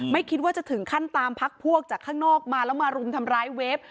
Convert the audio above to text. ไม่คิดว่าจะถึงขั้นตามพักพวกจากข้างนอกมาแล้วมารุมทำร้ายเวฟ